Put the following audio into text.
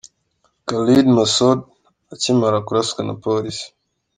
Khalid Masood akimara kuraswa na polisi.